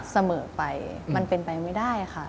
เสมอไปมันเป็นไปไม่ได้ค่ะ